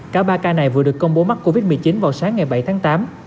cả ba ca này vừa được công bố mắc covid một mươi chín vào sáng ngày bảy tháng tám